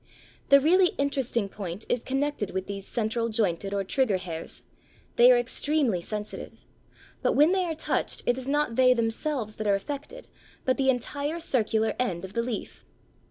The really interesting point is connected with these central jointed or trigger hairs; they are extremely sensitive. But when they are touched it is not they themselves that are affected, but the entire circular end of the leaf!